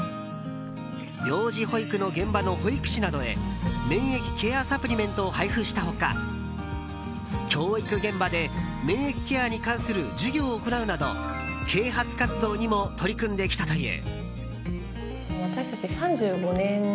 病児保育の現場の保育士などへ免疫ケアサプリメントを配布した他教育現場で免疫ケアに関する授業を行うなど啓発活動にも取り組んできたという。